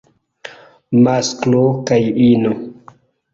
Masklo kaj ino.